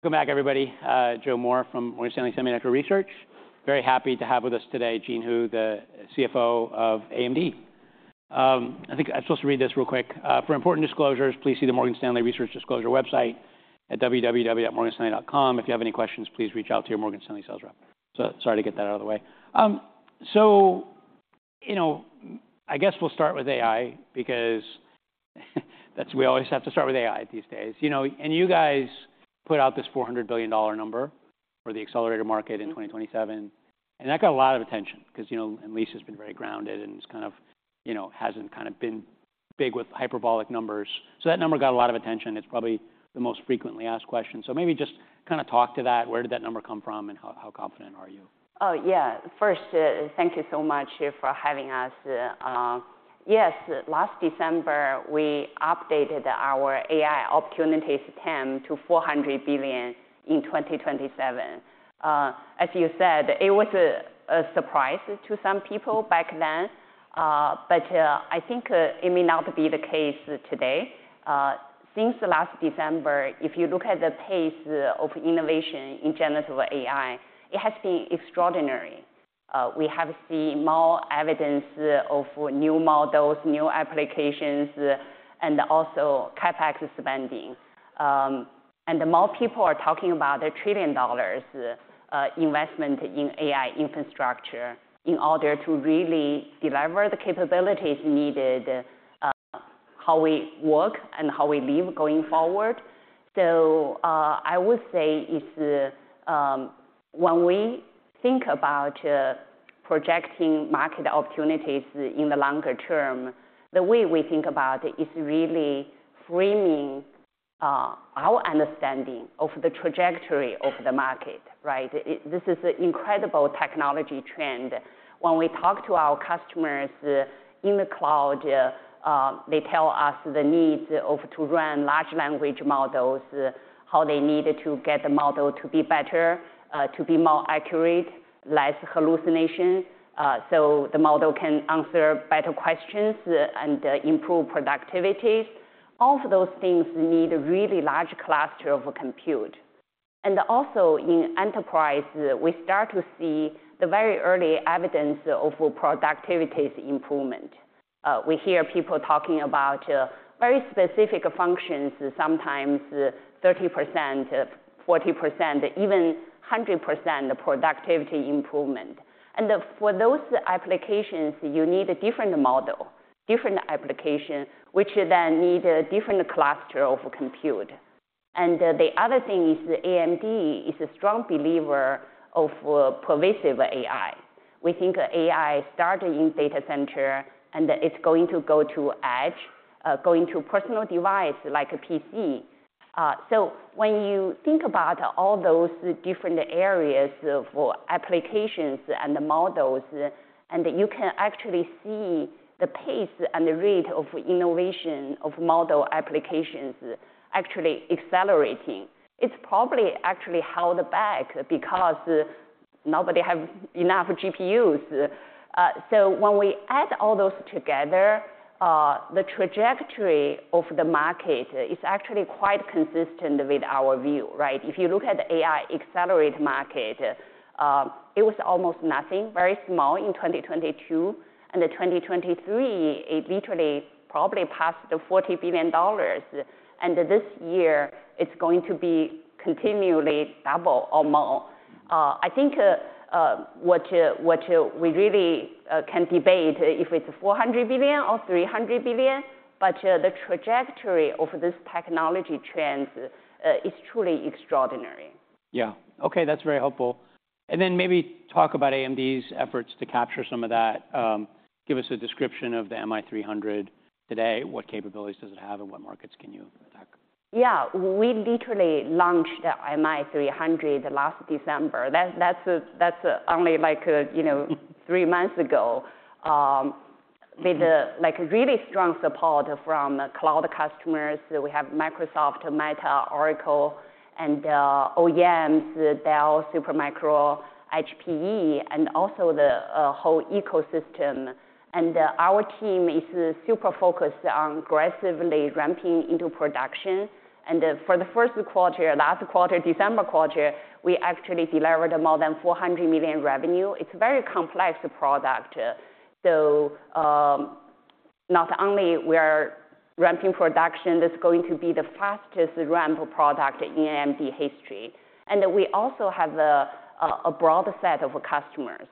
Welcome back, everybody. Joe Moore from Morgan Stanley Semiconductor Research. Very happy to have with us today Jean Hu, the CFO of AMD. I think I'm supposed to read this real quick. For important disclosures, please see the Morgan Stanley Research Disclosure website at www.morganstanley.com. If you have any questions, please reach out to your Morgan Stanley sales rep. So sorry to get that out of the way. So I guess we'll start with AI, because we always have to start with AI these days. You guys put out this $400 billion number for the accelerator market in 2027. And that got a lot of attention, because AMD has been very grounded and hasn't kind of been big with hyperbolic numbers. So that number got a lot of attention. It's probably the most frequently asked question. So maybe just kind of talk to that. Where did that number come from, and how confident are you? Oh, yeah. First, thank you so much for having us. Yes, last December, we updated our AI opportunities TAM to $400 billion in 2027. As you said, it was a surprise to some people back then. But I think it may not be the case today. Since last December, if you look at the pace of innovation in generative AI, it has been extraordinary. We have seen more evidence of new models, new applications, and also CapEx spending. And more people are talking about a $1 trillion investment in AI infrastructure in order to really deliver the capabilities needed, how we work, and how we live going forward. So I would say when we think about projecting market opportunities in the longer term, the way we think about it is really framing our understanding of the trajectory of the market. This is an incredible technology trend. When we talk to our customers in the cloud, they tell us the needs to run large language models, how they need to get the model to be better, to be more accurate, less hallucination, so the model can answer better questions and improve productivities. All of those things need a really large cluster of compute. Also, in enterprise, we start to see the very early evidence of productivities improvement. We hear people talking about very specific functions, sometimes 30%, 40%, even 100% productivity improvement. For those applications, you need a different model, different application, which then need a different cluster of compute. The other thing is AMD is a strong believer of pervasive AI. We think AI started in data center, and it's going to go to edge, going to personal device like a PC. So when you think about all those different areas for applications and models, and you can actually see the pace and the rate of innovation of model applications actually accelerating, it's probably actually held back because nobody has enough GPUs. So when we add all those together, the trajectory of the market is actually quite consistent with our view. If you look at the AI accelerator market, it was almost nothing, very small in 2022. In 2023, it literally probably passed $40 billion. This year, it's going to be continually double or more. I think what we really can debate is if it's $400 billion or $300 billion. But the trajectory of this technology trend is truly extraordinary. Yeah. OK, that's very helpful. Then maybe talk about AMD's efforts to capture some of that. Give us a description of the MI300 today. What capabilities does it have, and what markets can you attack? Yeah, we literally launched the MI300 last December. That's only like 3 months ago, with really strong support from cloud customers. We have Microsoft, Meta, Oracle, and OEMs, Dell, Supermicro, HPE, and also the whole ecosystem. And our team is super focused on aggressively ramping into production. And for the first quarter, last quarter, December quarter, we actually delivered more than $400 million revenue. It's a very complex product. So not only are we ramping production, it's going to be the fastest ramp product in AMD history. And we also have a broad set of customers,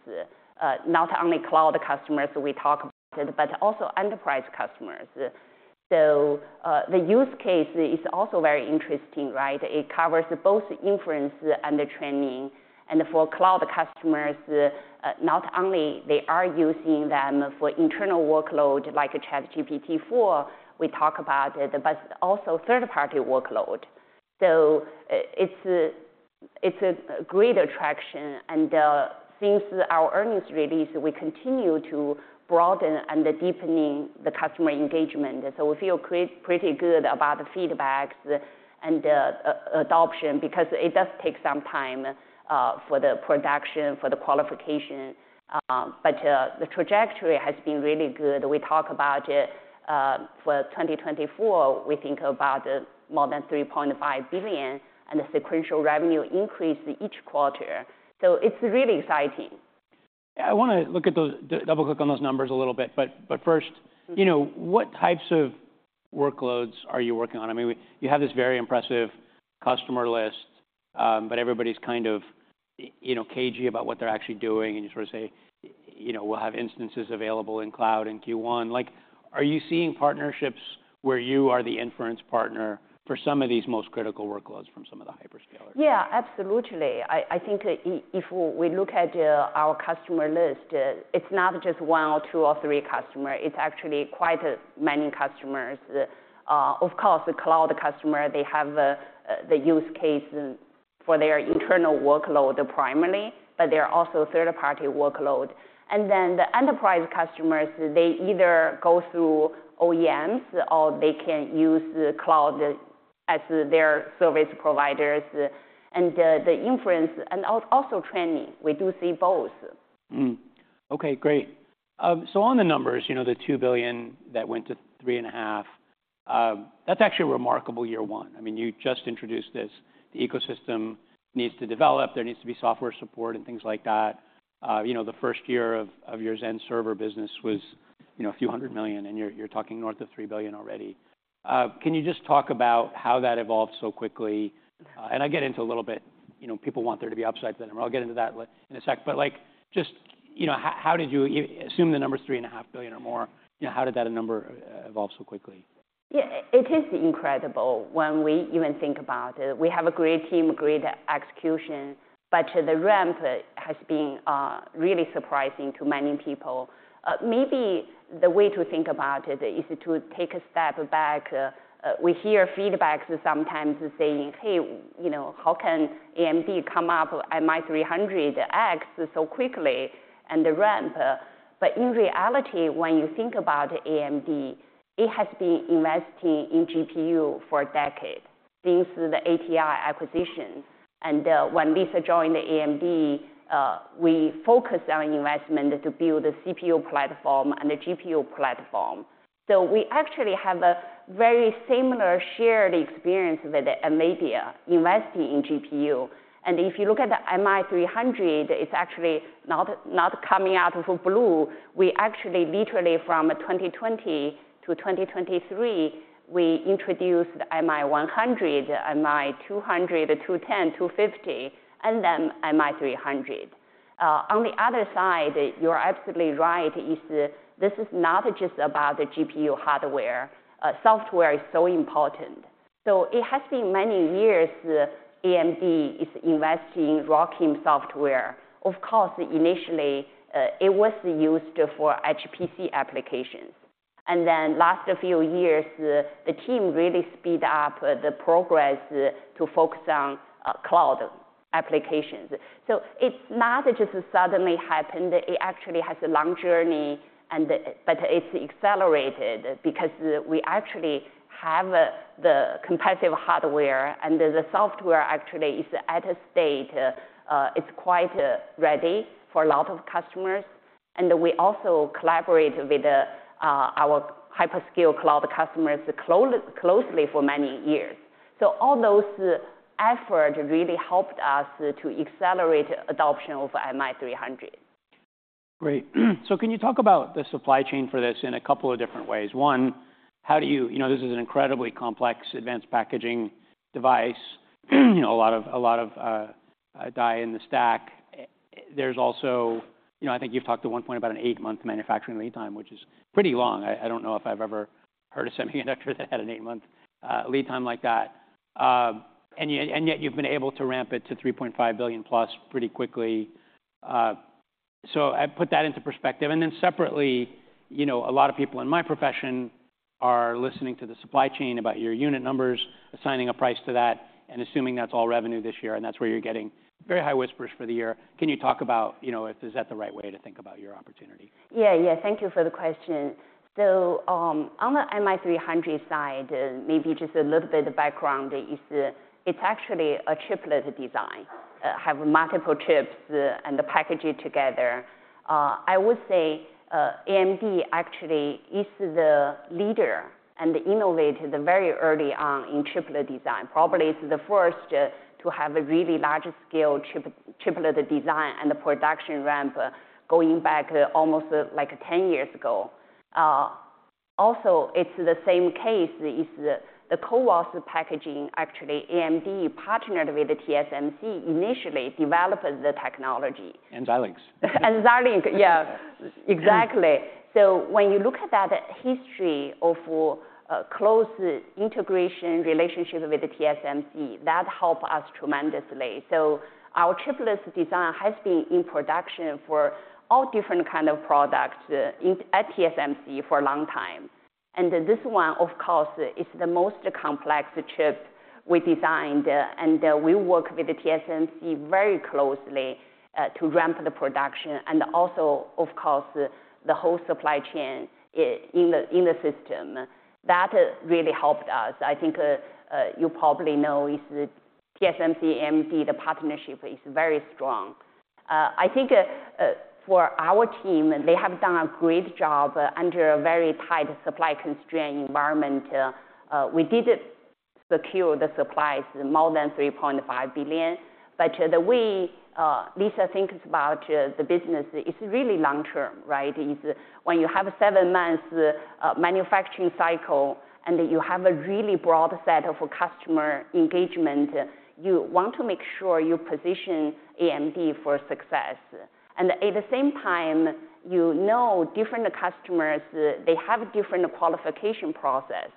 not only cloud customers we talk about, but also enterprise customers. So the use case is also very interesting. It covers both inference and training. And for cloud customers, not only are they using them for internal workload like GPT-4, we talk about it, but also third-party workload. So it's a great attraction. Since our earnings release, we continue to broaden and deepen the customer engagement. So we feel pretty good about the feedbacks and adoption, because it does take some time for the production, for the qualification. But the trajectory has been really good. We talk about it for 2024, we think about more than $3.5 billion, and the sequential revenue increase each quarter. So it's really exciting. Yeah, I want to double-click on those numbers a little bit. But first, what types of workloads are you working on? I mean, you have this very impressive customer list, but everybody's kind of cagey about what they're actually doing. And you sort of say, we'll have instances available in cloud in Q1. Are you seeing partnerships where you are the inference partner for some of these most critical workloads from some of the hyperscalers? Yeah, absolutely. I think if we look at our customer list, it's not just one, or two, or three customers. It's actually quite many customers. Of course, the cloud customers, they have the use case for their internal workload primarily. But there are also third-party workloads. And then the enterprise customers, they either go through OEMs, or they can use cloud as their service providers. And the inference and also training, we do see both. OK, great. So on the numbers, the $2 billion that went to $3.5, that's actually a remarkable year one. I mean, you just introduced this. The ecosystem needs to develop. There needs to be software support and things like that. The first year of your Zen server business was a few hundred million. And you're talking north of $3 billion already. Can you just talk about how that evolved so quickly? And I get into a little bit. People want there to be upsides to that number. I'll get into that in a sec. But just how did you assume the number is $3.5 billion or more? How did that number evolve so quickly? Yeah, it is incredible when we even think about it. We have a great team, great execution. But the ramp has been really surprising to many people. Maybe the way to think about it is to take a step back. We hear feedback sometimes saying, hey, how can AMD come up with MI300X so quickly and the ramp? But in reality, when you think about AMD, it has been investing in GPU for a decade since the ATI acquisition. And when Lisa joined AMD, we focused on investment to build the CPU platform and the GPU platform. So we actually have a very similar shared experience with NVIDIA investing in GPU. And if you look at the MI300, it's actually not coming out of the blue. Literally, from 2020 to 2023, we introduced MI100, MI200, 210, 250, and then MI300. On the other side, you're absolutely right. This is not just about the GPU hardware. Software is so important. It has been many years AMD is investing in ROCm software. Of course, initially, it was used for HPC applications. Then last few years, the team really speeded up the progress to focus on cloud applications. It's not just suddenly happened. It actually has a long journey. It's accelerated, because we actually have the comprehensive hardware. The software actually is at a state it's quite ready for a lot of customers. We also collaborate with our hyperscale cloud customers closely for many years. All those efforts really helped us to accelerate adoption of MI300. Great. So can you talk about the supply chain for this in a couple of different ways? One, how do you this is an incredibly complex, advanced packaging device. A lot of die in the stack. There's also I think you've talked at one point about an 8-month manufacturing lead time, which is pretty long. I don't know if I've ever heard a semiconductor that had an 8-month lead time like that. And yet, you've been able to ramp it to $3.5 billion plus pretty quickly. So put that into perspective. And then separately, a lot of people in my profession are listening to the supply chain about your unit numbers, assigning a price to that, and assuming that's all revenue this year. And that's where you're getting very high whispers for the year. Can you talk about if is that the right way to think about your opportunity? Yeah, yeah. Thank you for the question. So on the MI300 side, maybe just a little bit of background. It's actually a chiplet design, having multiple chips and packaging together. I would say AMD actually is the leader and innovated very early on in chiplet design. Probably it's the first to have a really large-scale chiplet design and the production ramp going back almost like 10 years ago. Also, it's the same case. The CoWoS packaging, actually, AMD partnered with TSMC initially to develop the technology. And Xilinx. Xilinx, yeah. Exactly. When you look at that history of close integration relationship with TSMC, that helped us tremendously. Our chiplet design has been in production for all different kinds of products at TSMC for a long time. And this one, of course, is the most complex chip we designed. And we work with TSMC very closely to ramp the production and also, of course, the whole supply chain in the system. That really helped us. I think you probably know TSMC and AMD, the partnership is very strong. I think for our team, they have done a great job under a very tight supply constraint environment. We did secure the supplies more than $3.5 billion. But the way Lisa thinks about the business is really long term. When you have a seven-month manufacturing cycle, and you have a really broad set of customer engagement, you want to make sure you position AMD for success. At the same time, you know different customers, they have different qualification processes.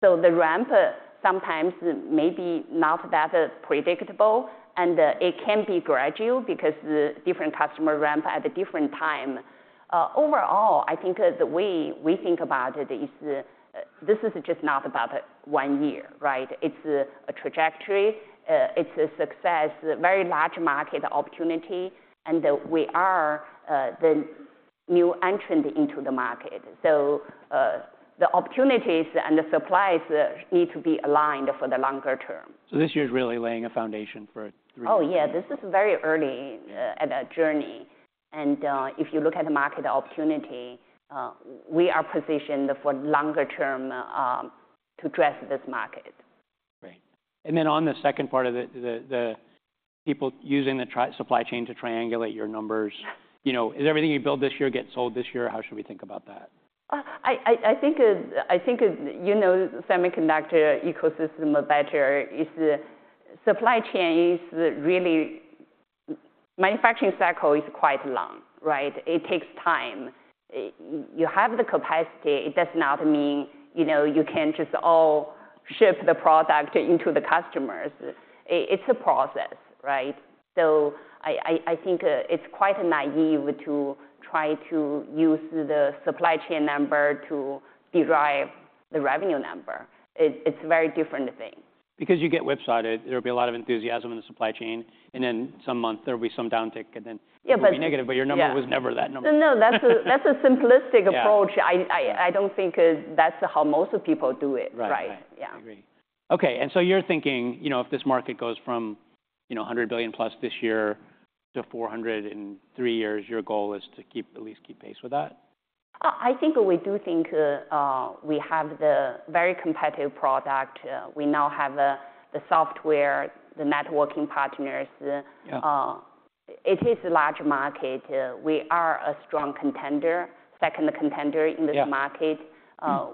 The ramp sometimes may be not that predictable. It can be gradual, because different customers ramp at a different time. Overall, I think the way we think about it is this is just not about one year. It's a trajectory. It's a success, very large market opportunity. We are the new entrant into the market. The opportunities and the supplies need to be aligned for the longer term. This year is really laying a foundation for $3.5 billion. Oh, yeah. This is very early in the journey. If you look at the market opportunity, we are positioned for longer term to address this market. Great. And then on the second part of the people using the supply chain to triangulate your numbers, is everything you build this year gets sold this year? How should we think about that? I think you know the semiconductor ecosystem better. Supply chain is really manufacturing cycle is quite long. It takes time. You have the capacity. It does not mean you can just all ship the product into the customers. It's a process. So I think it's quite naive to try to use the supply chain number to derive the revenue number. It's a very different thing. Because you get website. There'll be a lot of enthusiasm in the supply chain. And then some month, there'll be some downtick. And then it'll be negative. But your number was never that number. No, no. That's a simplistic approach. I don't think that's how most people do it. Right. Yeah. I agree. OK, and so you're thinking if this market goes from $100 billion+ this year to $400 billion in three years, your goal is to at least keep pace with that? I think we do think we have the very competitive product. We now have the software, the networking partners. It is a large market. We are a strong contender, second contender in this market.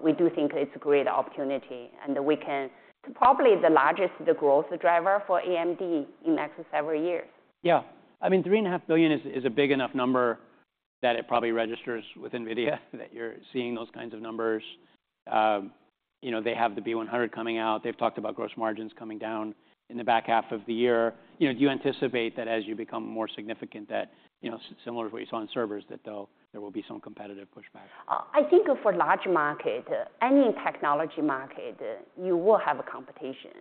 We do think it's a great opportunity. And it's probably the largest growth driver for AMD in the next several years. Yeah. I mean, $3.5 billion is a big enough number that it probably registers with NVIDIA, that you're seeing those kinds of numbers. They have the B100 coming out. They've talked about gross margins coming down in the back half of the year. Do you anticipate that as you become more significant, similar to what you saw in servers, that there will be some competitive pushback? I think for a large market, any technology market, you will have competition.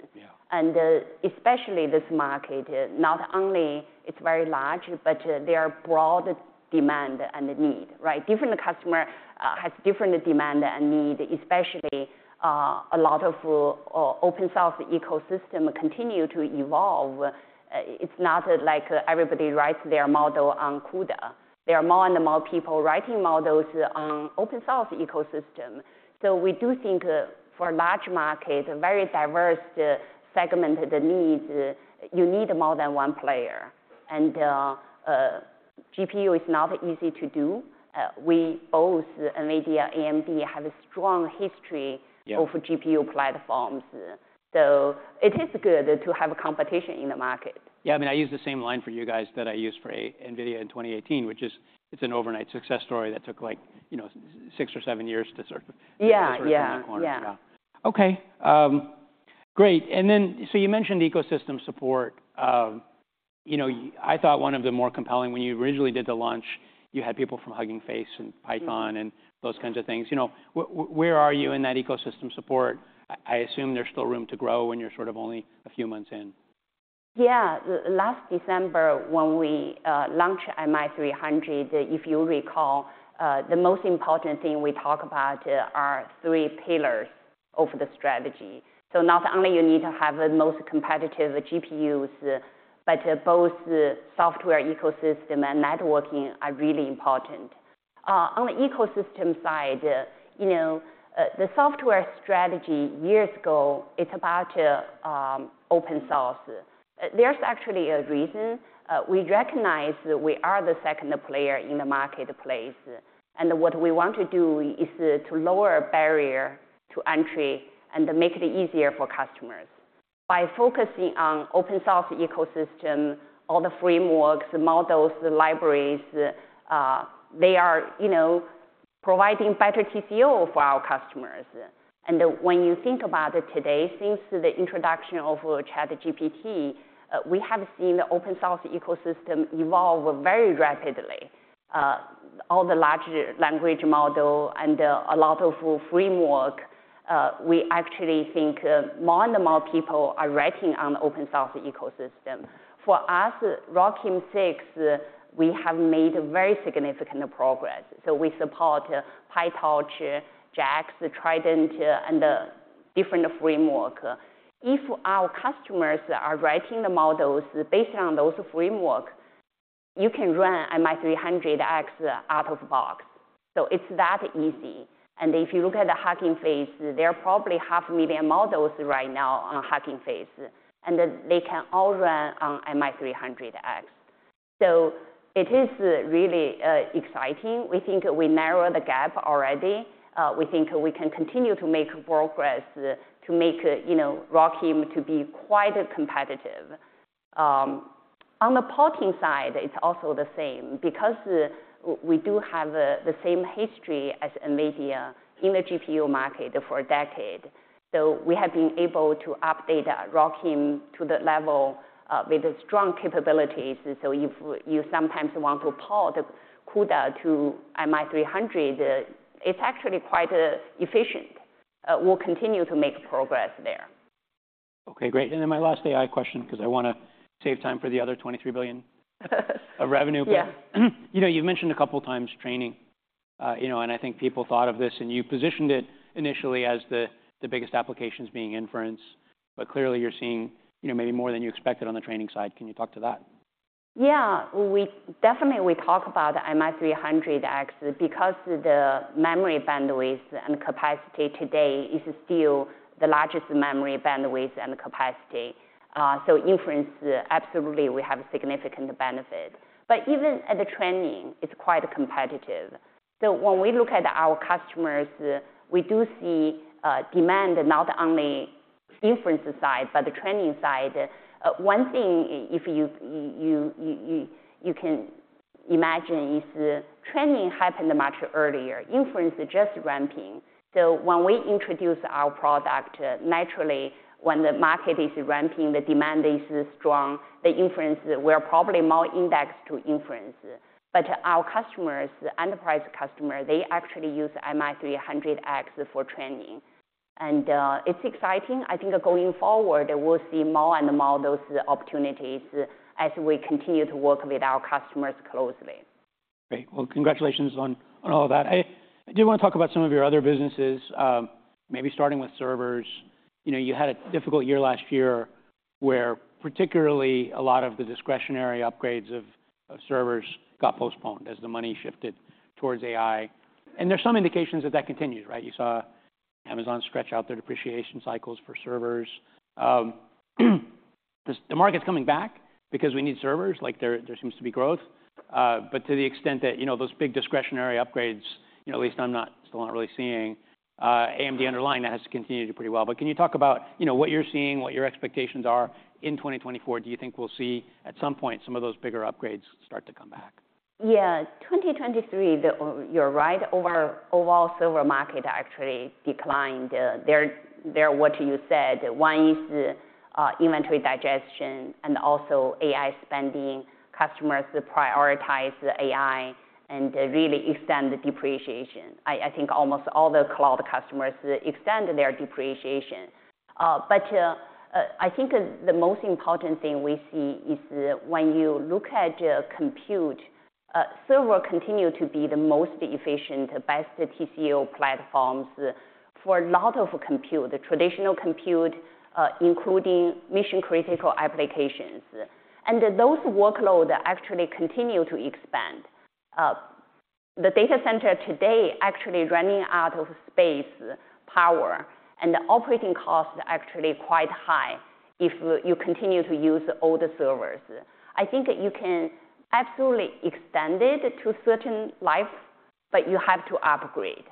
And especially this market, not only it's very large, but there are broad demands and needs. Different customers have different demands and needs, especially a lot of open source ecosystems continue to evolve. It's not like everybody writes their model on CUDA. There are more and more people writing models on the open source ecosystem. So we do think for a large market, very diverse segmented needs, you need more than one player. And GPU is not easy to do. We both, NVIDIA and AMD, have a strong history of GPU platforms. So it is good to have competition in the market. Yeah, I mean, I use the same line for you guys that I used for NVIDIA in 2018, which is it's an overnight success story that took like six or seven years to sort of. Yeah. Turn that corner. Yeah. OK, great. And then so you mentioned ecosystem support. I thought one of the more compelling when you originally did the launch, you had people from Hugging Face and Python and those kinds of things. Where are you in that ecosystem support? I assume there's still room to grow when you're sort of only a few months in. Yeah. Last December, when we launched MI300, if you recall, the most important thing we talked about are three pillars of the strategy. So not only do you need to have the most competitive GPUs, but both the software ecosystem and networking are really important. On the ecosystem side, the software strategy years ago, it's about open source. There's actually a reason. We recognize we are the second player in the marketplace. And what we want to do is to lower barriers to entry and make it easier for customers. By focusing on the open source ecosystem, all the frameworks, models, libraries, they are providing better TCO for our customers. And when you think about it today, since the introduction of ChatGPT, we have seen the open source ecosystem evolve very rapidly. All the larger language models and a lot of frameworks, we actually think more and more people are writing on the open-source ecosystem. For us, ROCm 6, we have made very significant progress. So we support PyTorch, JAX, Triton, and the different frameworks. If our customers are writing the models based on those frameworks, you can run MI300X out of the box. So it's that easy. And if you look at Hugging Face, there are probably 500,000 models right now on Hugging Face. And they can all run on MI300X. So it is really exciting. We think we narrowed the gap already. We think we can continue to make progress to make ROCm to be quite competitive. On the porting side, it's also the same, because we do have the same history as NVIDIA in the GPU market for a decade. So we have been able to update ROCm to the level with strong capabilities. So if you sometimes want to port CUDA to MI300, it's actually quite efficient. We'll continue to make progress there. OK, great. And then my last AI question, because I want to save time for the other $23 billion of revenue. Yeah. You've mentioned a couple of times training. I think people thought of this. You positioned it initially as the biggest applications being inference. But clearly, you're seeing maybe more than you expected on the training side. Can you talk to that? Yeah. Definitely, we talk about MI300X, because the memory bandwidth and capacity today is still the largest memory bandwidth and capacity. So inference, absolutely, we have significant benefits. But even at the training, it's quite competitive. So when we look at our customers, we do see demand not only inference side, but the training side. One thing you can imagine is training happened much earlier. Inference is just ramping. So when we introduce our product, naturally, when the market is ramping, the demand is strong. The inference, we're probably more indexed to inference. But our customers, enterprise customers, they actually use MI300X for training. And it's exciting. I think going forward, we'll see more and more of those opportunities as we continue to work with our customers closely. Great. Well, congratulations on all of that. I did want to talk about some of your other businesses, maybe starting with servers. You had a difficult year last year where particularly a lot of the discretionary upgrades of servers got postponed as the money shifted towards AI. And there's some indications that that continues. You saw Amazon stretch out their depreciation cycles for servers. The market's coming back, because we need servers. There seems to be growth. But to the extent that those big discretionary upgrades, at least I'm still not really seeing, AMD underlying that has to continue to do pretty well. But can you talk about what you're seeing, what your expectations are in 2024? Do you think we'll see at some point some of those bigger upgrades start to come back? Yeah. 2023, you're right. Overall, the server market actually declined. They're what you said. One is inventory digestion and also AI spending. Customers prioritize AI and really extend the depreciation. I think almost all the cloud customers extend their depreciation. But I think the most important thing we see is when you look at compute, servers continue to be the most efficient, best TCO platforms for a lot of compute, traditional compute, including mission-critical applications. And those workloads actually continue to expand. The data center today is actually running out of space power. And the operating costs are actually quite high if you continue to use old servers. I think you can absolutely extend it to certain life, but you have to upgrade.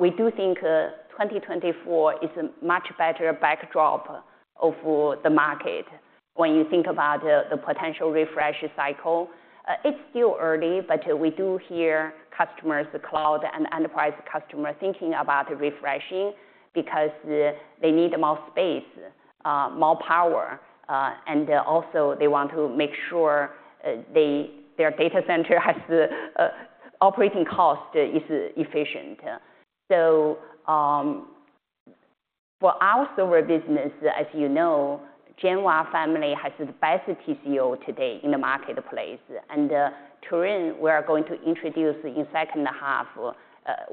We do think 2024 is a much better backdrop for the market when you think about the potential refresh cycle. It's still early, but we do hear customers, cloud and enterprise customers, thinking about refreshing, because they need more space, more power. And also, they want to make sure their data center operating cost is efficient. So for our server business, as you know, Genoa family has the best TCO today in the marketplace. And Turin, we are going to introduce in the second half,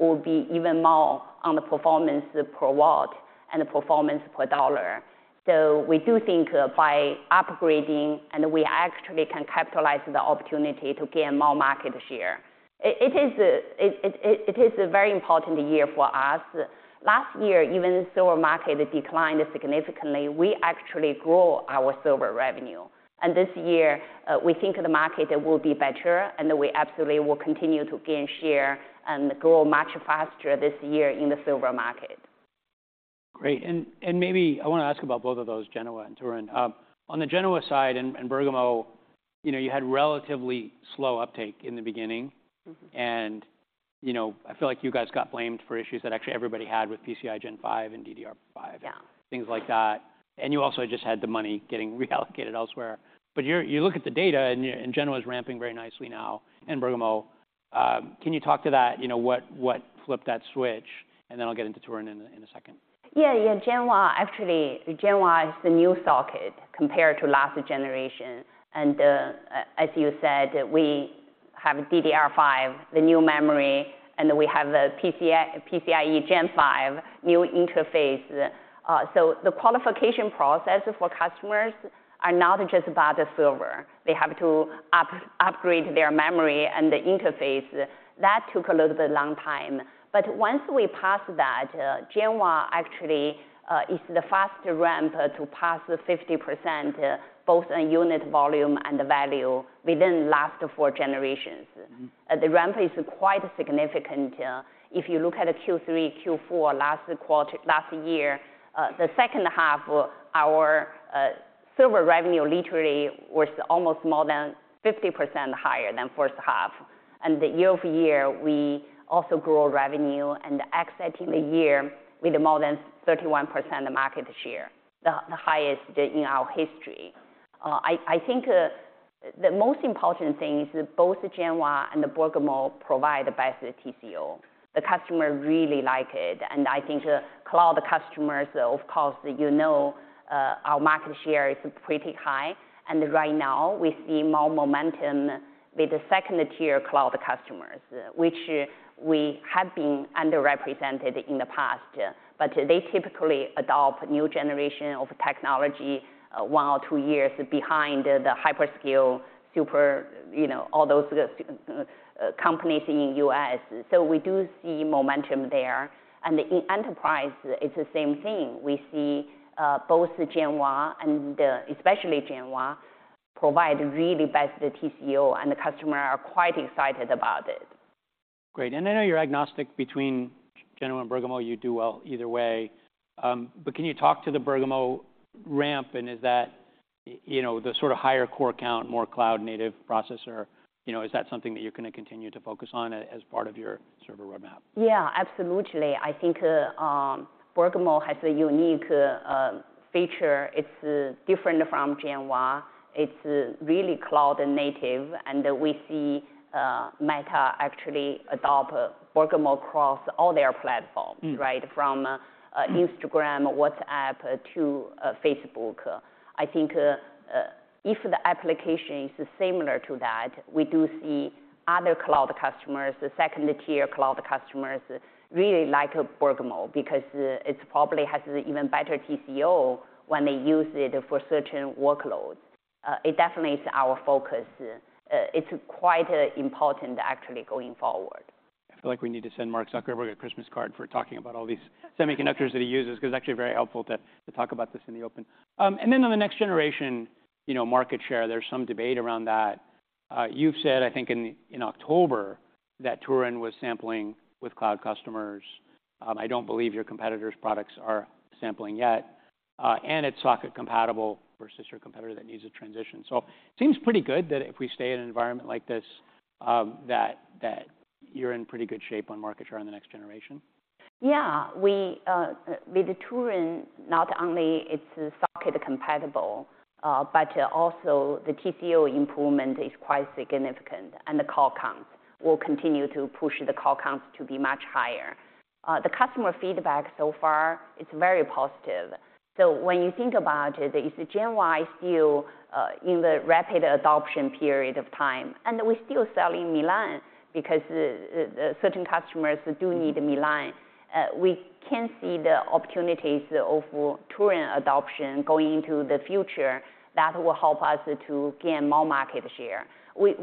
will be even more on the performance per watt and the performance per dollar. So we do think by upgrading, we actually can capitalize on the opportunity to gain more market share. It is a very important year for us. Last year, even though the server market declined significantly, we actually grew our server revenue. And this year, we think the market will be better. And we absolutely will continue to gain share and grow much faster this year in the server market. Great. And maybe I want to ask about both of those, Genoa and Turin. On the Genoa side and Bergamo, you had relatively slow uptake in the beginning. And I feel like you guys got blamed for issues that actually everybody had with PCIe Gen 5 and DDR5 and things like that. And you also just had the money getting reallocated elsewhere. But you look at the data, and Genoa is ramping very nicely now and Bergamo. Can you talk to that? What flipped that switch? And then I'll get into Turin in a second. Yeah, yeah. Genoa actually is the new socket compared to last generation. As you said, we have DDR5, the new memory. We have the PCIe Gen 5 new interface. The qualification process for customers is not just about the server. They have to upgrade their memory and the interface. That took a little bit of a long time. But once we passed that, Genoa actually is the fastest ramp to pass 50% both in unit volume and value within the last four generations. The ramp is quite significant. If you look at Q3, Q4 last year, the second half, our server revenue literally was almost more than 50% higher than the first half. Year-over-year, we also grew revenue and exited the year with more than 31% market share, the highest in our history. I think the most important thing is both Genoa and Bergamo provide the best TCO. The customers really like it. And I think cloud customers, of course, you know our market share is pretty high. And right now, we see more momentum with the second-tier cloud customers, which have been underrepresented in the past. But they typically adopt a new generation of technology one or two years behind the hyperscale, super, all those companies in the US. So we do see momentum there. And in enterprise, it's the same thing. We see both Genoa and especially Genoa provide really best TCO. And the customers are quite excited about it. Great. I know you're agnostic between Genoa and Bergamo. You do well either way. But can you talk to the Bergamo ramp? And is that the sort of higher core count, more cloud-native processor? Is that something that you're going to continue to focus on as part of your server roadmap? Yeah, absolutely. I think Bergamo has a unique feature. It's different from Genoa. It's really cloud-native. And we see Meta actually adopt Bergamo across all their platforms, from Instagram, WhatsApp, to Facebook. I think if the application is similar to that, we do see other cloud customers, second-tier cloud customers, really like Bergamo, because it probably has an even better TCO when they use it for certain workloads. It definitely is our focus. It's quite important, actually, going forward. I feel like we need to send Mark Zuckerberg a Christmas card for talking about all these semiconductors that he uses, because it's actually very helpful to talk about this in the open. And then on the next generation market share, there's some debate around that. You've said, I think, in October that Turin was sampling with cloud customers. I don't believe your competitors' products are sampling yet. And it's socket compatible versus your competitor that needs a transition. So it seems pretty good that if we stay in an environment like this, that you're in pretty good shape on market share in the next generation. Yeah. With Turin, not only is it socket compatible, but also the TCO improvement is quite significant. And the core counts will continue to push the core counts to be much higher. The customer feedback so far is very positive. So when you think about it, is Genoa still in the rapid adoption period of time? And we're still selling in Milan, because certain customers do need Milan. We can see the opportunities for Turin adoption going into the future that will help us to gain more market share. We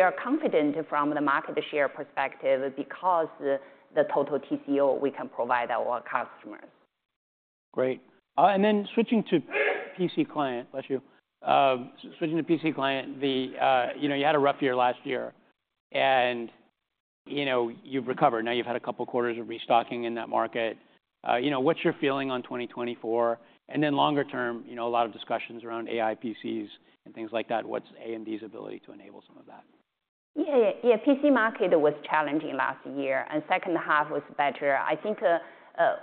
are confident from the market share perspective, because of the total TCO we can provide our customers. Great. And then switching to PC client, bless you. Switching to PC client, you had a rough year last year. And you've recovered. Now you've had a couple of quarters of restocking in that market. What's your feeling on 2024? And then longer term, a lot of discussions around AI PCs and things like that. What's AMD's ability to enable some of that? Yeah, yeah. The PC market was challenging last year. The second half was better. I think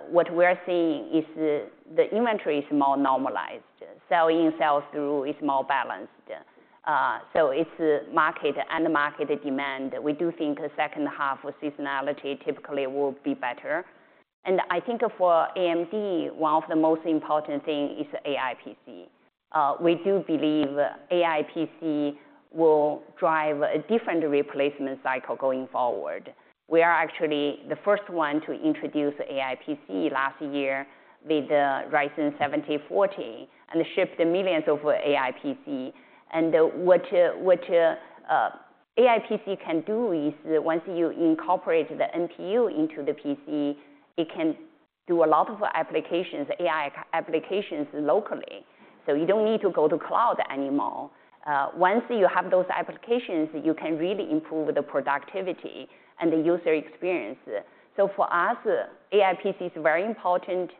what we're seeing is the inventory is more normalized. Sell in, sell through is more balanced. So it's market and market demand. We do think the second half seasonality typically will be better. I think for AMD, one of the most important things is AI PC. We do believe AI PC will drive a different replacement cycle going forward. We are actually the first one to introduce AI PC last year with the Ryzen 7040 and shipped millions of AI PC. What AI PC can do is once you incorporate the NPU into the PC, it can do a lot of applications, AI applications, locally. So you don't need to go to the cloud anymore. Once you have those applications, you can really improve the productivity and the user experience. For us, AI PC is very important.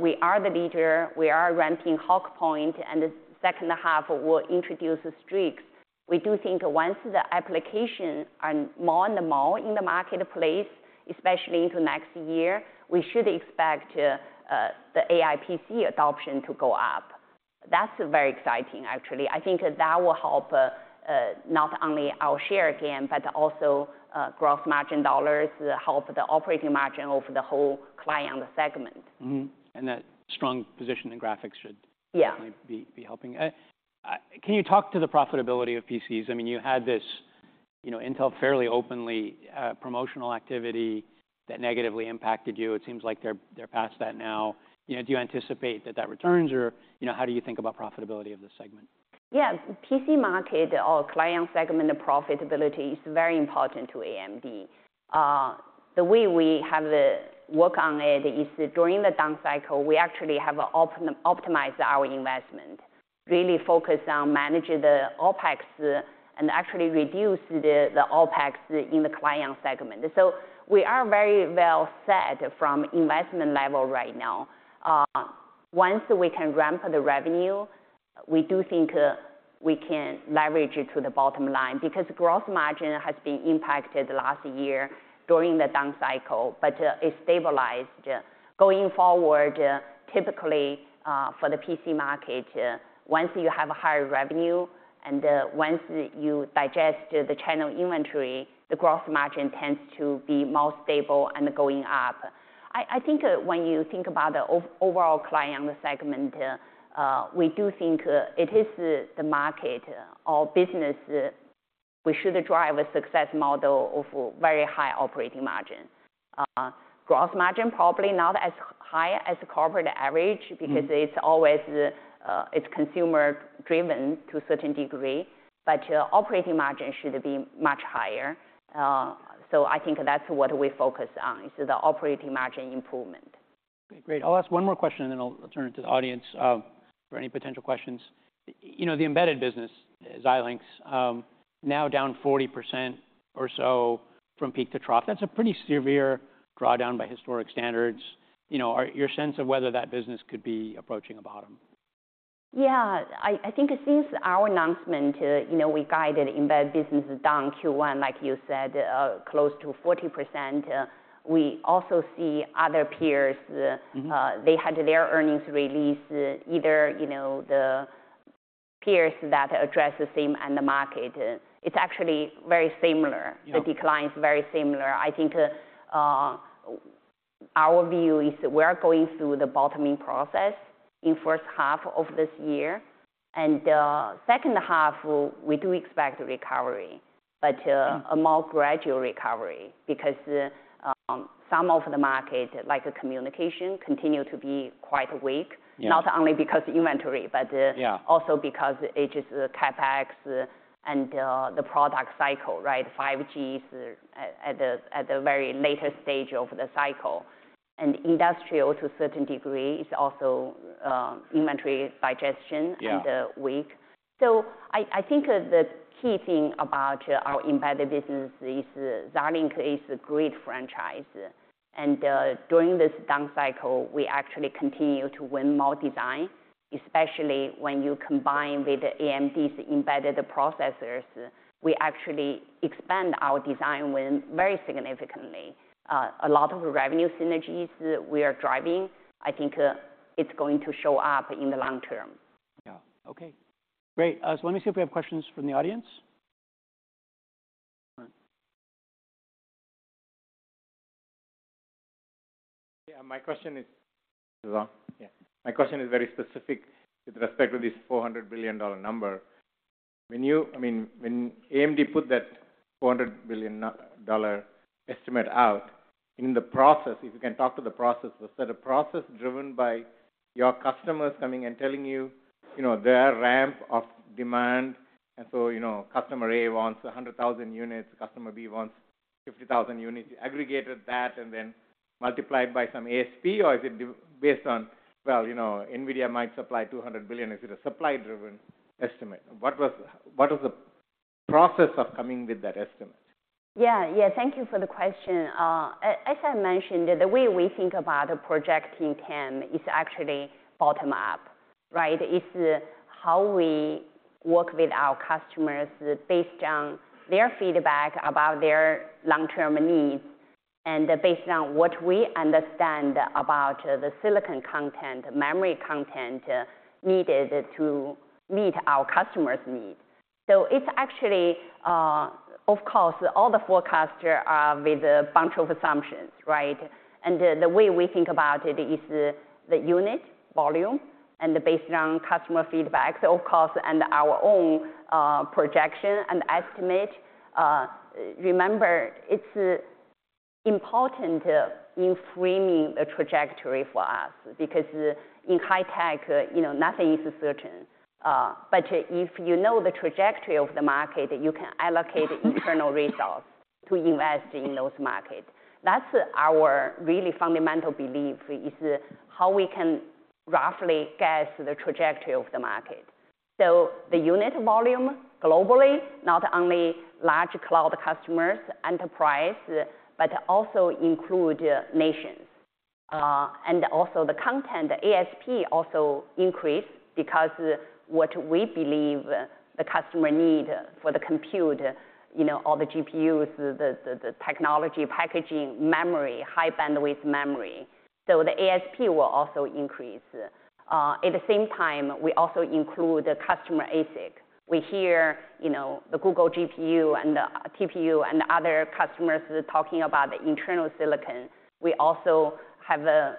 We are the leader. We are ramping Hawk Point. The second half will introduce Strix. We do think once the applications are more and more in the marketplace, especially into next year, we should expect the AI PC adoption to go up. That's very exciting, actually. I think that will help not only our share gain, but also gross margin dollars help the operating margin of the whole client segment. That strong position in graphics should definitely be helping. Can you talk to the profitability of PCs? I mean, you had this Intel fairly openly promotional activity that negatively impacted you. It seems like they're past that now. Do you anticipate that that returns? Or how do you think about profitability of the segment? Yeah. PC market or client segment profitability is very important to AMD. The way we have worked on it is during the down cycle, we actually have optimized our investment, really focused on managing the OpEx and actually reducing the OpEx in the client segment. So we are very well set from an investment level right now. Once we can ramp up the revenue, we do think we can leverage it to the bottom line, because gross margin has been impacted last year during the down cycle, but it stabilized. Going forward, typically for the PC market, once you have higher revenue and once you digest the channel inventory, the gross margin tends to be more stable and going up. I think when you think about the overall client segment, we do think it is the market or business we should drive a success model of very high operating margin. Gross margin probably not as high as the corporate average, because it's always consumer-driven to a certain degree. But operating margin should be much higher. So I think that's what we focus on, is the operating margin improvement. Great. I'll ask one more question, and then I'll turn it to the audience for any potential questions. The embedded business, Xilinx, now down 40% or so from peak to trough. That's a pretty severe drawdown by historic standards. Your sense of whether that business could be approaching a bottom? Yeah. I think since our announcement, we guided embedded business down Q1, like you said, close to 40%. We also see other peers. They had their earnings released, either the peers that address the same end of the market. It's actually very similar. The decline is very similar. I think our view is we are going through the bottoming process in the first half of this year. And the second half, we do expect recovery, but a more gradual recovery, because some of the market, like communication, continue to be quite weak, not only because of inventory, but also because it's just CapEx and the product cycle, right? 5G is at the very latest stage of the cycle. And industrial, to a certain degree, is also inventory digestion and weak. So I think the key thing about our embedded business is Xilinx is a great franchise. During this down cycle, we actually continue to win more design, especially when you combine with AMD's embedded processors. We actually expand our design win very significantly. A lot of revenue synergies we are driving. I think it's going to show up in the long term. Yeah. OK. Great. So let me see if we have questions from the audience. Yeah. My question is very specific with respect to this $400 billion number. I mean, when AMD put that $400 billion estimate out, in the process, if you can talk to the process, was that a process driven by your customers coming and telling you their ramp of demand? And so customer A wants 100,000 units. Customer B wants 50,000 units. You aggregated that and then multiplied by some ASP? Or is it based on, well, NVIDIA might supply $200 billion? Is it a supply-driven estimate? What was the process of coming with that estimate? Yeah, yeah. Thank you for the question. As I mentioned, the way we think about projecting time is actually bottom up, right? It's how we work with our customers based on their feedback about their long-term needs and based on what we understand about the silicon content, memory content needed to meet our customers' needs. So it's actually, of course, all the forecasts are with a bunch of assumptions, right? And the way we think about it is the unit volume and based on customer feedback, of course, and our own projection and estimate. Remember, it's important in framing the trajectory for us, because in high tech, nothing is certain. But if you know the trajectory of the market, you can allocate internal resources to invest in those markets. That's our really fundamental belief, is how we can roughly guess the trajectory of the market. So the unit volume globally, not only large cloud customers, enterprise, but also include nations. And also the content, the ASP also increases, because what we believe the customer needs for the compute, all the GPUs, the technology packaging, memory, high bandwidth memory, so the ASP will also increase. At the same time, we also include the customer ASIC. We hear the Google GPU and TPU and other customers talking about the internal silicon. We also have a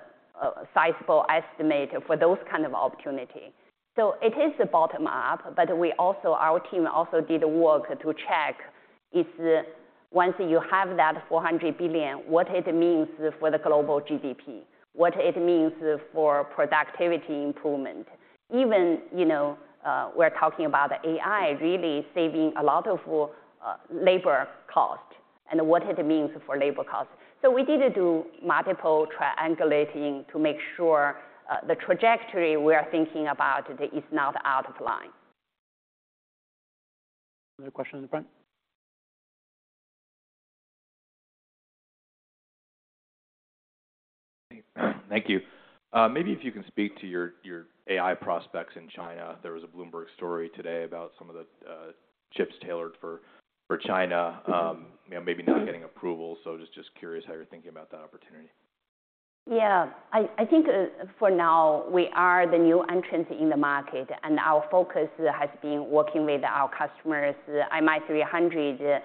sizable estimate for those kinds of opportunities. So it is bottom up. But our team also did work to check, once you have that $400 billion, what it means for the global GDP, what it means for productivity improvement. Even we're talking about AI really saving a lot of labor cost and what it means for labor costs. We did do multiple triangulating to make sure the trajectory we are thinking about is not out of line. Another question in the front? Thank you. Maybe if you can speak to your AI prospects in China? There was a Bloomberg story today about some of the chips tailored for China, maybe not getting approval. So just curious how you're thinking about that opportunity? Yeah. I think for now, we are the new entrants in the market. Our focus has been working with our customers. MI300,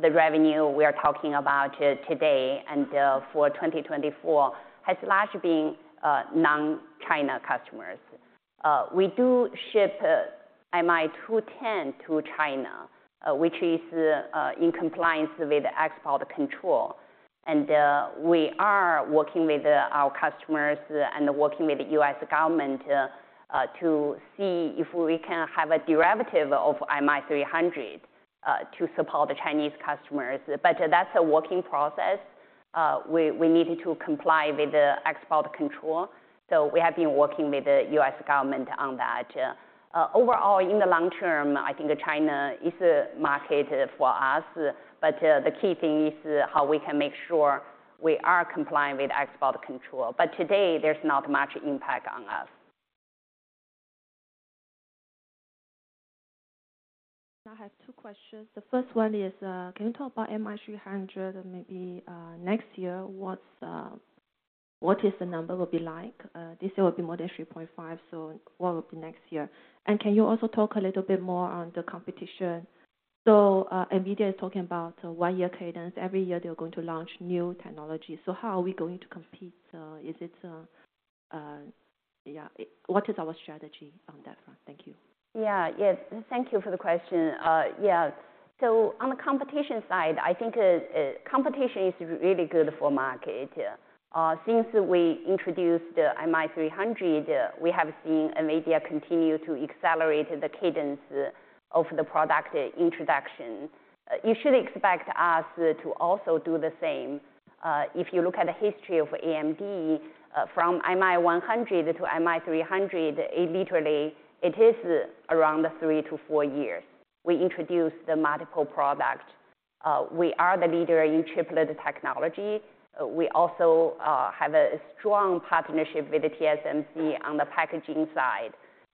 the revenue we are talking about today and for 2024 has largely been non-China customers. We do ship MI210 to China, which is in compliance with export control. We are working with our customers and working with the U.S. government to see if we can have a derivative of MI300 to support the Chinese customers. That's a working process. We need to comply with export control. We have been working with the U.S. government on that. Overall, in the long term, I think China is a market for us. The key thing is how we can make sure we are complying with export control. Today, there's not much impact on us. I have two questions. The first one is, can you talk about MI300 maybe next year? What is the number will be like? This year will be more than 3.5. So what will be next year? And can you also talk a little bit more on the competition? So NVIDIA is talking about one-year cadence. Every year, they're going to launch new technology. So how are we going to compete? What is our strategy on that front? Thank you. Yeah. Yeah. Thank you for the question. Yeah. So on the competition side, I think competition is really good for the market. Since we introduced the MI300, we have seen NVIDIA continue to accelerate the cadence of the product introduction. You should expect us to also do the same. If you look at the history of AMD, from MI100 to MI300, literally, it is around 3-4 years. We introduced the multiple products. We are the leader in chiplet technology. We also have a strong partnership with TSMC on the packaging side.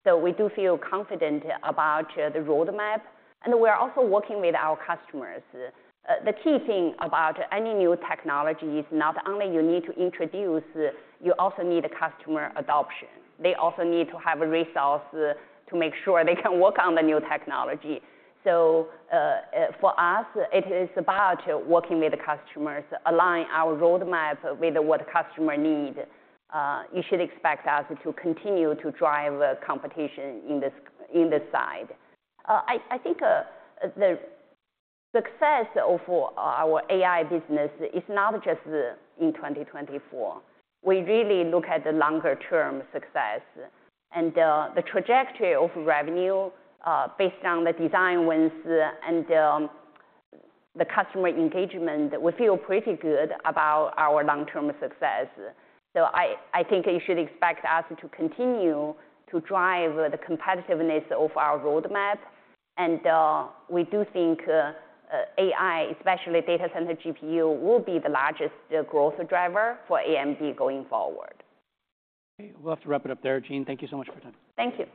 So we do feel confident about the roadmap. And we are also working with our customers. The key thing about any new technology is not only you need to introduce, you also need customer adoption. They also need to have resources to make sure they can work on the new technology. So for us, it is about working with the customers, aligning our roadmap with what the customer needs. You should expect us to continue to drive competition in this side. I think the success of our AI business is not just in 2024. We really look at the longer-term success and the trajectory of revenue based on the design wins and the customer engagement. We feel pretty good about our long-term success. So I think you should expect us to continue to drive the competitiveness of our roadmap. And we do think AI, especially data center GPU, will be the largest growth driver for AMD going forward. We'll have to wrap it up there, Jean. Thank you so much for your time. Thank you.